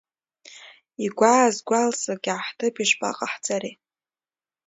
Игәааз гәалсак иаҳҭап, ишԥаҟаҳҵари…